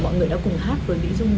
mọi người đã cùng hát với mỹ dung